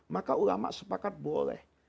maka ulama sepakat boleh